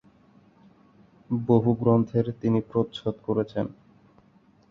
বহু গ্রন্থের তিনি প্রচ্ছদ করেছেন।